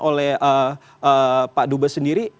oleh pak duba sendiri